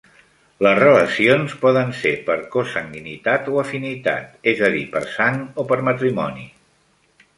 Les relacions poden ser per consanguinitat o afinitat, és a dir per sang o per matrimoni.